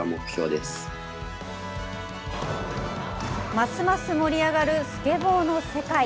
ますます盛り上がるスケボーの世界。